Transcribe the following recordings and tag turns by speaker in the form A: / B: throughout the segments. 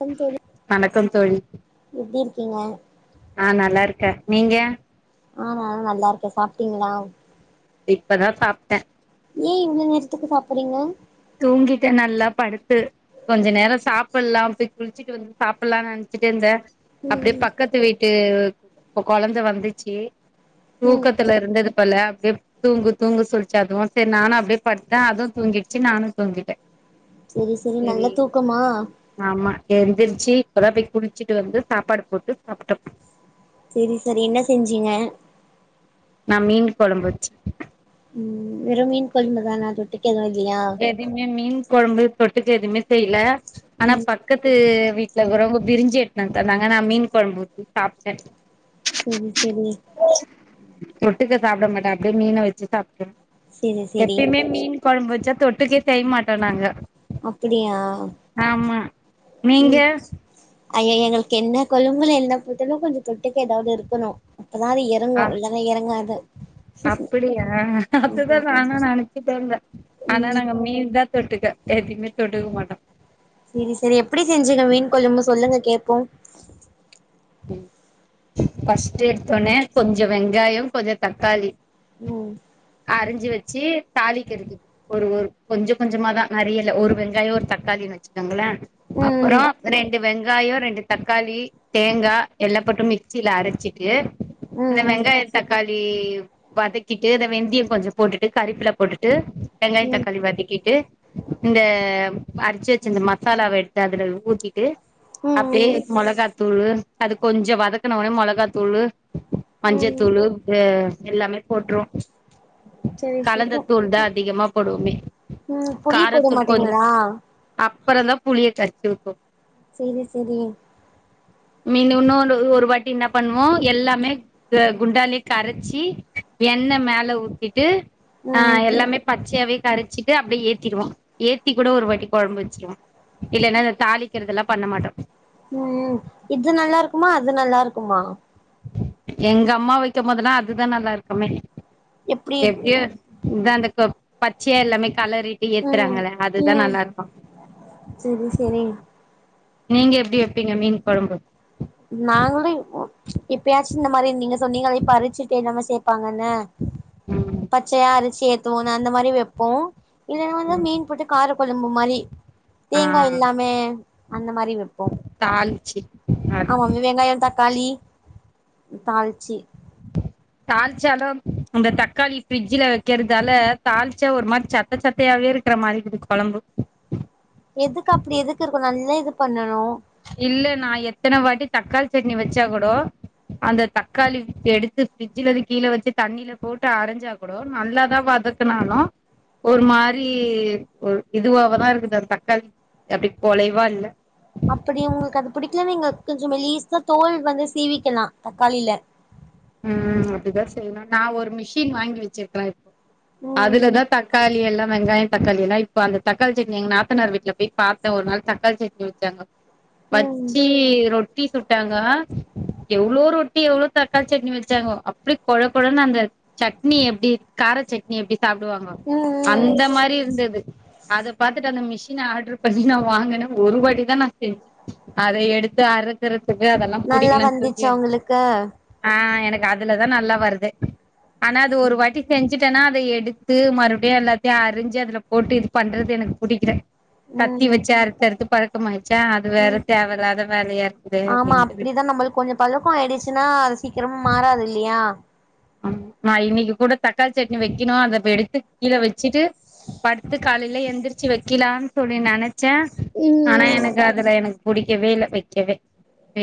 A: வணக்கம் தோழி
B: வணக்கம் தோழி
A: எப்டி இருக்கீங்க
B: நா நல்லாருக்கே நீங்க
A: ஆ நானு நல்லாருக்கே சாப்ட்டீங்களா
B: இப்பதா சாப்டே
A: ஏ இவ்ளோ நேரத்துக்கு சாப்புடுறீங்க
B: தூங்கிட்டே நல்லா படுத்து கொஞ்ச நேரோ சாப்புல்லா அப்டி குளிச்சுட்டு வந்து சாப்புல்லான்னு நெனைச்சிட்டுருந்த அப்டியே
A: ம்
B: பக்கத்து வீட்டு இப்ப கொழந்த வந்துச்சு
A: ம் ம்
B: தூக்கத்துலருந்தது தொல்ல அப்டியே தூங்கு தூங்கு சொல்லிச்சுஅதுவு செரி நானு அப்டியே படுதே அதுவு தூங்கிருச் ச்சு நானு தூங்கிட்டே
A: செரி செரி நல்ல தூக்கமா
B: ஆமா எந்திரிச்சு இப்ப தா போய் குளிச்சிட்டு வந்து சாப்பாடு போட்டு சாப்டோ
A: செரி செரி என்ன செஞ்சிங்க
B: நா மீன் கொழம்பு வச்சு
A: ம் வெறும் மீன் கொழம்புதானா தொட்டுக்க எதுவு வெக்லையா
B: எதுவுமே மீன் கொழம்பு தொட்டுக்க எதுமே செய்யல ஆனா
A: ம்
B: பக்கத் து வீட்லறருகரவங்க பிரிஞ்சு எட்த்துனு தந்தாங்க நா மீன் கொழம்பு ஊத்தி சாப்டே
A: செரி செரி
B: தொட்டுக்க சாப்புட மாட்டே அப்டியே மீன வச்சு சாப்ட்டே
A: செரி செரி
B: எப்பவுமே மீன் கொழம்பு வச்சா தொட்டுக்கையே செய்ய மாட்டோ நாங்க
A: அப்பிடியா
B: ஆமா நீங்க
A: ம் ஐய்யயே எங்களுக்கு என்ன கொழம்புல்ல என்ன போட்டாலு கொஞ்சோ தொட்டுக்க ஏதாவது இருக்கணு அப்பதா அது ஏர எறங்கு இல்லனா எறங்காது
B: அப்புடியா அதுதா
A: ஆமா
B: நானு நெனைச்சுட்டேருந்தே ஆனா
A: ம்
B: நாங்க மீன் தா தொட்டுக்க எதுவுமே தொட்டுக்க மாட்டோ
A: செரி செரி எப்புடி செஞ்சுங்க மீன் கொழம்பு சொல்லுங்க கேப்போ
B: ஃபர்ஸ்ட் எடுத்தோனே கொஞ்சே வெங்காயோ கொஞ்சோ தக்காளி
A: ம்
B: அரிஞ்சு வச்சு தாளிக்கரது ஒரு ஒரு கொஞ்சே கொஞ்சமாதா நறையேல்ல ஒரு வெங்காயோ ஒரு தக்காளின்னு வச்சுக்கோங்களே
A: ம்
B: அப்பறோ
A: ம்
B: ரெண்டு வெங்காயோ ரெண்டு தக்காளி தேங்கா எல்லாபோட்டு மிக்சில அரச்சிட்டு
A: ம்
B: இந்த வெங்காய தக்காளி வதக்கிட்டு அத வெந்தியோ கொஞ்சோ போட்டுட்டு கறிப்பில போட்டுட்டு வெங்காயே
A: ம்
B: தக்காளி வதக்கிட்டு இந்த அரிச்சு வச்சு இந்த மசாலாவ எடுத்து அதுல ஊத்திட்டு அப்டியே
A: ம் ம்
B: மொளகாத் தூளு அது கொஞ்ச வதக்குன ஒன்னே மெளகா தூளு
A: ம்
B: மஞ்சத்தூளு இது எல்லாமே போட்ருவோ
A: செரி இப்போ
B: கலந்த தூள் தா அதிகமா போடுவோமே
A: ம் புளி போட
B: காரத்தூள் கொஞ்சோ
A: மாட்டீங்ளா
B: அப்பறந்தா புளிய கரச்சி ஊத்வோ
A: சேரி செரி
B: மீனு இன்னொரு ஒரு வாட்டி என்ன பண்ணுவோ எல்லாமே இது குண்டாலயே கரச்சி எண்ணெ மேல ஊத்திட்டு ஆ
A: ம்
B: எல்லாமே பச்சயாவே கரச்சிட் டு அப்டியே ஏத்திருவோ ஏத்தி கூட ஒரு வாட்டி கொழம்பு வச்சுருவோ இல்லன்னா இந்த தாளிக்கிறது எல்லா பண்ண மாட்டோ
A: ம் ம் இது நல்லாருக்குமா அது நல்லாருக்குமா
B: எங்க அம்மா வைக்கம் போதெல்லா அதுதா நல்லா இருக்குமே
A: எப்டி
B: எப்டியோ இதா அந்த க பச்சையா எல்லாமே களறிட்டு
A: ம்
B: ஏத்துறாங்கல்ல அதுதா
A: ம்
B: நல்லா இருக்கு
A: செரி செரி
B: நீங்க எப்டி வெப்பீங்க மீன் கொழம்பு
A: நாங்களு எப்பயாச்சு இந்த மாரி நீங்க சொன்னீங்களே இப்ப அரச்சிட்டு எல்லாமே சேத் பாங்கன்னு
B: ம்
A: பச்சயா அரச்சி ஏத்துவோன்னு அந்த மாரி வெப்போ இல்லன்னா வந்து
B: ம்
A: மீன் போட்டு கார கொழம்பு மாரி
B: ஆ
A: தேங்கா இல்லாமே அந்த மாரி வெப் போ
B: தாளிச்சி
A: ஆமா வெங்காயோ தக்காளி தாள்ச்சி
B: தாள்ச்சாலு இந்த தக்காளி ஃப்ரிட்ஜ்ல வைக்கிறதால தாளிச்சா ஒரு மாரி சப் ப சப்பையாவே இருக்குற மாதி இருக்குது கொழம்பு
A: எதுக்கு அப்டி எதுக்கு இருக்கு நல்லா இது பண்ணணு
B: இல்ல நா எத்தன வாட்டி தக்காளி சட்னி வச்சா கூடோ அந்த தக்காளி எடுத்து ஃப்ரிட்ஜ்ல இருந்து கீழ வச்சி தண்ணில போட்டு அரஞ்சா கூடோ நல்லாதா வதக்குனாலு ஒரு மாரி ஒரு இதுவாவதா இருக்குது அந்த தக்காளி அப்டி கொலைவா இல்ல
A: அப்டி உங்களுக்கு அது பிடிக்கலன்னா நீங்க கொஞ்சோ மெலீஸ்ஸா தோல் வந்து சீவிக்கலா தக்காளில
B: ம் அப்டிதா செய்யணு நா ஒரு மிஷின் வாங்கி வச்சிருக்கிறே இப்போ
A: ம்
B: அதுலதா தக் தக்காளியெல்லா வெங்காயோ தக்காளி எல்லா இப்ப அந்த தக்காளி சட்னி எங்க நாத்தனார் வீட்ல போய் பாத்தே ஒரு நாள் தக்காளி சட்னி வச்சாங்க
A: ம்
B: வச்சி ரொட்டி சுட்டாங்க எவ்ளோ ரொட்டி எவ்ளோ தக் காளி சட்னி வச்சாங்கோ அப்டியே கொழ கொழன்னு அந்த சட்னி எப்டி கார சட்னி எப்டி சாப்டுவாங்கோ
A: ம் ம்
B: அந்த மாரி இருந்தது அத பாத்துட்டு அந்த மிஷின ஆட்ரு பண்ணி நா வாங்குனே ஒரு வாட்டி தா நா செஞ்சே அத எடுத்து அறுக்குறதுக்கு அதெல்லா பிடிக்கலன்னு தூக்கி
A: க்க
B: ஆ எனக்கு அதுலதா நல்லா வருதே ஆனா அது ஒரு
A: ம்
B: வாட்டி செஞ்சிட்டேன்னா அத எடுத்து மறுபடியு எல்லாத்தையு அரிஞ்சி அதுல போட்டு இது பண்றது எனக்கு புடிக்ல கத்தி
A: ம்
B: வச்சி அறுத்து அறுத்து பழக்கமாய்ச்சா அது வேற
A: ம்
B: தேவ இல்லாத வேலையா இருக்குதே
A: ஆமா
B: அப்டின்ட்டு விட்டு
A: அப்டிதா நம்மளுக்கு கொஞ்சோ பழக்கோ ஆய்டுச்சின்னா அது சீக்கிரமா மாறாது இல்லையா
B: ம் நா இன்னக்கி கூட தக்காளி சட்னி வைக்கணு அத இப்ப எடுத்து கீழ வச்சிட்டு படுத்து காலேல எந்திரிச்சி வைக்கலான்னு சொல்லி நெனச் சே
A: ம்
B: ஆனா
A: ம்
B: எனக்கு அதுல எனக்கு பிடிக் கவே இல்ல வைக்கவே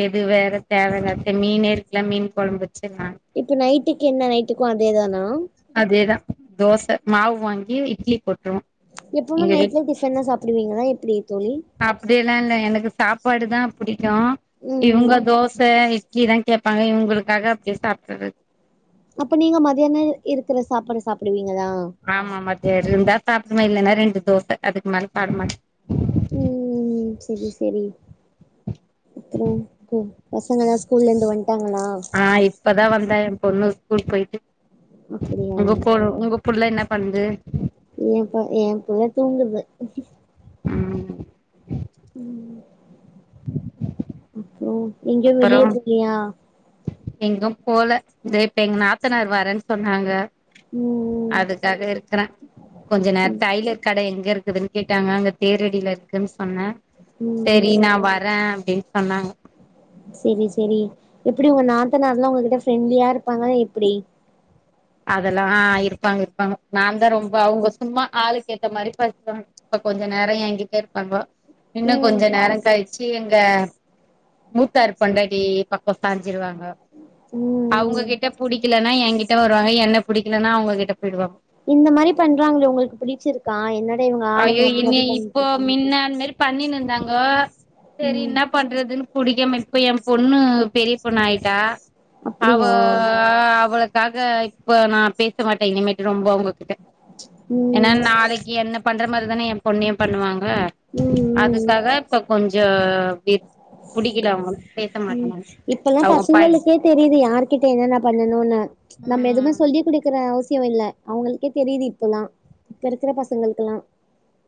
B: இது வேற தேவ இல்லாதது மீன் இருக்குல்ல மீன் கொழம்பு வச்சிர்லா
A: இப்ப நைட்டுக்கு என்ன நைட்டுக்கு அதே தானா
B: அதேதா தோச மாவு வாங்கி இட்லி போட்டுருவோ
A: எப்பவுமே நைட்ல டிஃபன் தா சாப்டுவீங்களா எப்டி தோழி
B: அப்டியெல்லா இல்ல எனக்கு சாப்பாடு தா புடிக்கு
A: ம்
B: இவங்க தோச இட்லிதா கேட்பாங்க இவங்களுக்காக அப்டியே சாப்டுறது
A: அப்ப நீங்க மதியியானம் இருக்குற சாப்பாட சாப்டுவீங்கலா
B: ஆமா மதிய இருந்தா சாப்டுவே இல்லன்னா ரெண்டு தோச அதுக்கு மேல பாடமாட்டே
A: ம் செரி செரி ம் [unintelligible] பசங்கலா ஸ்கூல்ல இருந்து வந்ட்டாங்களா
B: ஆ இப்பதா வந்தா எ பொண்ணு ஸ்கூல் போயிட்டு
A: அப்டியா
B: உங்க போ உங்க புல்ல என்ன பண்ணுது
A: ஏப்ப எ புள்ள தூங்குது
B: ம்
A: இங்கயு
B: அப்பறோ
A: வெளியதுல்லையா
B: எங்கும் போல தெ இப்ப எங்க நாத்தனார் வரேன் சொன்னாங்க
A: ம்
B: அதுக்காக இருக்கறே கொஞ்ச நேர
A: ம்
B: டயலர் கட எங்க இருக்குதுன்னு கேட்டாங்க அங்க தேரடியில இருக்குன்னு சொன்னே
A: ம்
B: சேரி நா வரே அப்டின்னு சொன்னாங்க
A: செரி செரி எப்டி உங்க நாத்தநார்ல்லா ஒங்ககிட்ட ஃப்ரெண்ட்லியா இருப்பாங்க ல எப்டி
B: அதெல்லா ஆ இருப்பாங்க இருப்பாங்க நா தா ரொம்ப அவ்ங்க சும்மா ஆளுளுக்கு ஏத்த மாரி பாத்துகுவாங்க இப்ப கொஞ்ச நேர எங்கிட்ட இருப்பாங்கோ இன்னு
A: ம்
B: கொஞ்ச நேர கழிச்சு எங்க மூத்தாறு பொண்டாடி பக்க க்கொ சாஞ்சிருவாங்க
A: ம்
B: அவங்ககிட்ட புடிக்கலனா எங்கிட்ட ங்க என்ன புடிக்கலன்னா அவங்ககிட்ட போயிடுவாங்க
A: இந்த மாரி பண்றாங்களே உங்களுக்கு பிடிச்சிருக்கு
B: அயோ இன்னி இப்போ மின்ன அந்த மாரி பண்ணினு இருந்தாங்கோ செரி
A: ம்
B: என்ன பண்றதுன்னு புடிக்கும் இப்ப என் பொண்ணு பெரிய பொண்ணு ஆயிட்டா அவோ
A: அப்டியா
B: அவலுக் க்காக இப்ப நா பேச மாட்டே இனிமேட்டு ரொம்ப அவுங்ககிட்ட ஏன்னா
A: ம்
B: நாளைக்கு என்னப் பண்ற மாரி தான எ பொண்ணயு பண்ணுவாங்க
A: ம் ம்
B: அதுக்காக இப்ப கொஞ்சொ அப்டி புடிக்கல அவங்களு பேச மாட்
A: இப்பெல்லா பசங்களுக்கு தெரியுது யாருகிட்ட என்னென்ன பண்ணணுன்னு நம்ம எதுமே
B: ம்
A: சொல்லி குடுக்கற அவசிய இல்ல அவங்களுக்கே தெரியுது இப்பல்லா இப்ப இருக்குற பசங்களுக்குல்லா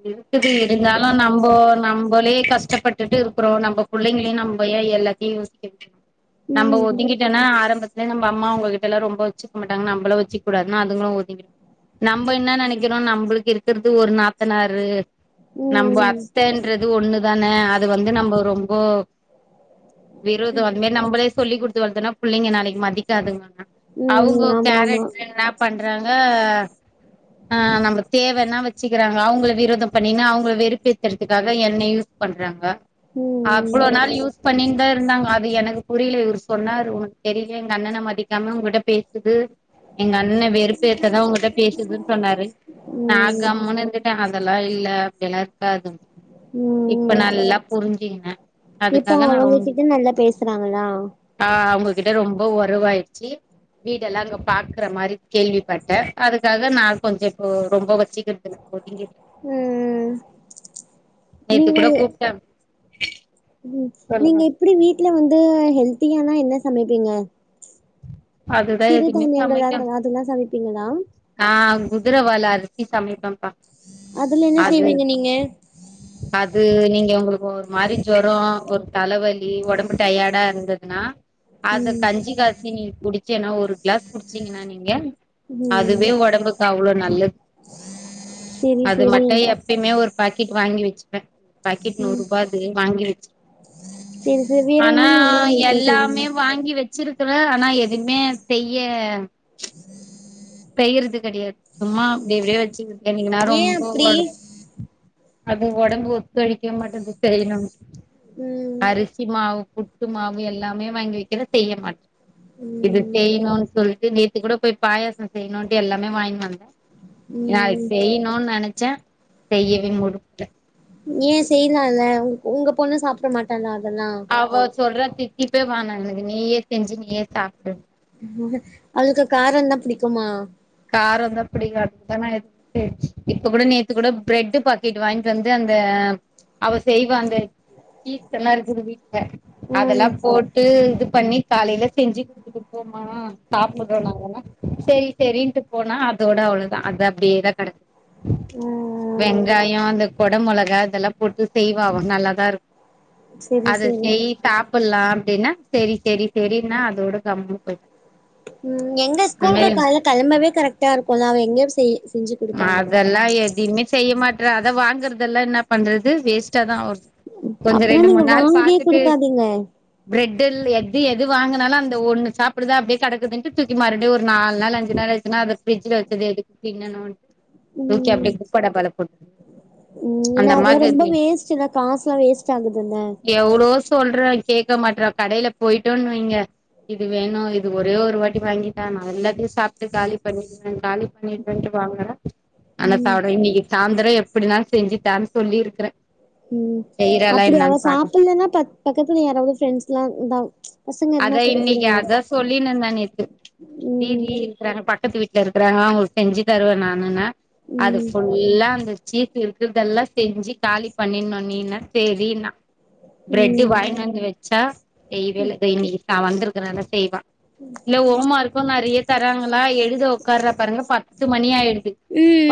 B: இருக்குது இருந்தாலு நம்போ நம்போலே கஷ்டப்பட்டு ட்டு இருக்குறோ நம்ம புள்ளைங்களையு நம்ம ஏ எல்லாத்தையு யோசிக்க [inaudible] நம்ம
A: ம்
B: ஒதுங்கிட்டு ட்டனா ஆரம்பத்லே நம்ப அம்மா அவுங்க கிட்ட ல ரொம்ப வச்சுக்க மாட்டாங்க நமளு வச்சுகூடாதுனு அதுங்களு ஒதிங் நம்ப என்ன நெனைக்கிறோ நம்புளுக்கு இருக்குறது ஒரு நா நாத்தனாறு நம்ம
A: ம்
B: அத்தன்றது ஒண்ணு தான அது வந்து நம்ப ரொம்போ விரோதோ அந்த மாரி நம்ளே சொல்லி குடுத்து வளதுன்னா புள்ளைங்க நாளைக்கு மதிக்காதுங்கா அவுங்கோ
A: ம் ஆமா ஆமா
B: கேரக்ட்ர் என்ன பண்றாங்க ஆ நம்ம தேவன்னா வச்சுக்கிறாங்க அவுங்கள விரோதம் பண்ணி னு அவுங்க வெறுப்பேத்துறதுக்காக என்ன யூஸ் பண்றாங்க
A: ம்
B: அவ்ளோ நாள் யூஸ் பண்ணின்னு தா இருந்தாங்க அது எனக்கு புரில இவுரு சொன்னாரு உனக் தெரிலயா எங்க அண்ணன மதிக் காம உங்கட்ட பேசுது எங்க அண்ண வெறுப்பேத்த தா ஓங்கிட்ட பேசுதுன் சொன்னாரு நா
A: ம்
B: கம்முனு இருந் ட அதெல்லா இல்ல அப்டியல்லா இருக்காது இப்ப நல்லா புரிஞ்சிகின
A: இப்ப அவுங்க கிட்ட நல்லா பேசுறாங்களா
B: ஆ அவுங்ககிட்ட ரொம்ப ஒறவாய்ட்ச்சி வீடேல்லா அங்க பாக்குற மாரி கேள்விப்பட்ட அதுக்காக நா கொஞ்ச இப்போ ரொம்போ வச்சிகற்தில்ல
A: ம்
B: நேத்து
A: நீங்க
B: கூட
A: எ
B: கூப்ட்டே
A: ம் நீங்க
B: சொல்லுங்க
A: எப்டி வீட்ல வந்து ஹெல்த்தியானா என்ன சமைப்பீங்க
B: அதுதா எதுவுமே
A: சிறுதானியங்கள்
B: சமைக்க
A: அத அதுல்லா சமைப்பீங்களா
B: ஆ குதுரவால அரித்தி சமைப்பேப்பா
A: அதுல என்ன செய்வீங்க நீங்க
B: அது நீங்க ஒங்களுக்கு ஒரு மாரி ஜொரோ ஒர் தலவலி ஒடம்பு டயாடா இருந்துதுனா அத
A: ம்
B: கஞ்சி காச்சி நீ குடிச்செனா ஒரு கிளாஸ் குடிச்சீங்கனா நீங்க
A: ம்
B: அதுவே ஒடம்புக்கு அவ்ளோ நல்லது
A: செரி
B: அது
A: செரி
B: மட்டய எப்பமே ஒரு பாக்கெட் வாங்கி வச்சுப்பே பாக்கெட்
A: ம்
B: நூறுபா அது வாங்கி வச்சு
A: செரி செரி வேற
B: ஆனா
A: என்னென்ன நல்லா ஹெல்த்தியா செய்வீங்க
B: எல்லாமே வாங்கி வச்சிருக் துல ஆனா எதுமே செய்ய செய்றது கெடையாது சும்மா இப்டி இப்டியே வச்சு என்னிகநேரோ
A: ஏ
B: ரொம்போ
A: அப்டி
B: ஒட அது ஒடம்பு ஒத்தொழிக்க மாட்டன்து செய்யனும்
A: ம்
B: அரிசி மாவு புட் டு மாவு எல்லாமே வாங்கி வக்கிற செய்ய மாட் இது
A: ம்
B: செய்ணுன் சொல்ட்டு நேத்து கூட போய் பாயாசோ செய்ணுட்டு எல்லாமே வாங்கி வந்த நா
A: ம்
B: செய்ணுன் நெனச்ச செய்யவே முடுப்ட
A: ஏ செய்லால உங்க பொண்ணு சாப்ட மாட்டாளா அதெல்லா
B: அவ சொல்ற தித்திப்பே வேனா எனக்கு நீயே செஞ்சு நீயே சாப்டு
A: அவளுக்கு காரந்தா புடிக்குமா
B: காரந்தோ பிடிங்காது [unintelligible] [unintelligible] இப்ப கூட நேத்து கூட பிரெட்டு பாக்கெட்டு வாங்கிட்டு வந்து அந்த அவ செய்வா அந்த சீஸ்சல்லா இருக்குது வீட்ல அதெல்லா
A: ம்
B: போட்டு இது பண்ணி காலைல செஞ்சு குடுத்துட்டுப்போமா சாப்புட்றோ நாங்களா சரி சரின்ட்டு போனா அதோட அவ்ளதா அது அப்டியேதா கடக்
A: ம்
B: வெங்காயோ அந்த கொட மொளகா அதெல்லா போட்டு செய்வா அவ நல்லாதா இருக்
A: செரி
B: அத
A: செரி
B: செய் சாப்புல்லா அப்டினா சரி சரி சரினா அதோட கம்முனு பொய்ட்டா
A: ம் எங்க ஸ்கூலுக்கு கால்ல கெளம்பவே கரெக்ட்டா இருக்குல்ல அவ எங்க செய் செஞ்சு குடுப்பாங்க
B: எல்லா எதையுமே செய்ய மாட்றா அத வாங்கறதெல்லா என்ன பண்றது வேஸ்ட்டா தா ஆவு கொஞ்ச
A: அப்பனா
B: ரெண்டு
A: நீங்க
B: மூணு நாள்
A: வாங்கியே
B: பாத்துட்டு
A: குடுக்காதீங்க
B: பிரெட்டில் எது எது வாங்குனாலு அந்த ஒண்ணு சாப்புடுதா அப்டியே கடக்குதுன் தூக்கி மாருடி ஒரு நால் நாள் அஞ்சு நாள் ஆயிச்சினா அது ப்ர்ஜுல வச்சது எதுக்கு திங்கனுன் தூக்கி
A: ம்
B: அப்டியே குப்ப டப்பால போட்
A: ம் ஏனா அதல்லா ரொம்ப வேஸ்ட்டுல்ல காசுல்லா வேஸ்ட் ஆகுதுல்ல
B: எவ்ளவோ சொல்ற கேட்க மாட்றா கடைல பொய்டோன் வைங்க இது வேணு இது ஒரே ஒரு வாட்டி வாங்கி தா நா எல்லாத்தையு சாப்ட்டு காலி பண்ணிடுவ காலி பண்ணிடுவன்ட்டு வாங்கறா ஆனா
A: ம்
B: சாப்ட இன்னக்கி சாயந்தரோ எப்டினாலு செஞ்சு தான் சொல்லிருக்குற
A: ம் அப்டி அவ சாப்ட்லேன்னா பக்கத்துல யாராவது ஃப்ரெண்ட்ஸ்ல்லா தா
B: அத இன்னிக்கி அத சொல்லினு இருந்தே நேத்
A: ம்
B: வீதினு இருக்குறாங்க பக்கத்து வீட்ல இருக்குறாங்க அவுங்களுக்கு செஞ்சு தருவே நானு னா அது
A: ம்
B: ப்புல் ல்லா அந்த சீஸ் இருக்றதெல்லா செஞ்சு காலி பண்ணிணு நீ னு செரின்னா பிரெட்
A: ம் ம்
B: வாய்னு வந்து வெச்சா செய்வேல்ல இன்னைக்கு வந்திருக்கற செய்வா இல்ல ம் ஒமா இருக்கு நெறைய தர்ராங்களா இதோ உட்கார்ற பாருங்க பத்து மணி ஆயிடுது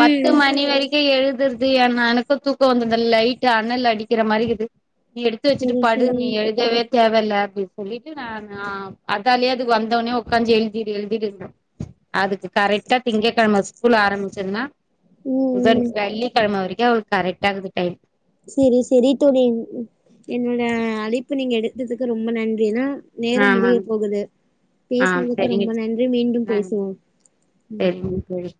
B: பத்து மணி வரை க்கு எழுதுற்து ஏனா எனக்கும் தூக்கம் வந்தன் லைட்டு் அணல் அடிக்கிற மாரி இருக்கு நீ எடுத்து வெச்சுட்டு
A: செரி
B: படு
A: செரி
B: நீ எழுதவே தேவ இல்ல அப்டின்னு சொல்லிட்டு நான் அதாலேயே அதுக்கு வந்த ஒடனே உக்காந்து எழுதிடு எழுதிட்டு இருந்தோ அதுக்கு கரெக்டா திங்கிழம ஸ்கூல் ஆரம்பிச்சதுன்னா
A: ம்
B: புதன்
A: ம்
B: வெள்ளி கிழம வரைக்கு கரெக்ட்ட இக்குது டைம்
A: செரி செரி தோழி என்னோட அழைப்பு நீங்க எடுத்ததுக்கு ரொம்ப நன்றி நா நேரம் முடிய
B: ஆமாங்க
A: போகுது
B: ஆ
A: பேசினதுக்கு
B: சரிங்க
A: ரொம்ப நன்றி மீண்டும் பேசுவோம் ம்
B: செரிங்க தோழி